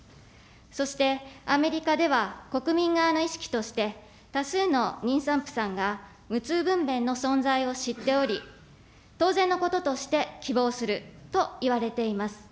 そしてアメリカでは国民側の意識として、多数の妊産婦さんが無痛分娩の存在を知っており、当然のこととして希望するといわれています。